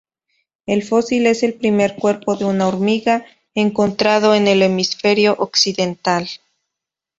El fósil es el primer cuerpo de una hormiga encontrado en el hemisferio occidental.